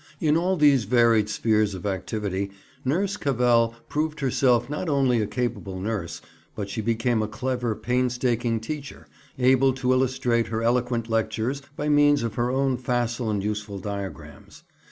In all these varied spheres of activity Nurse Cavell proved herself not only a capable nurse, but she became a clever, painstaking teacher, able to illustrate her eloquent lectures by means of her own facile and useful diagrams.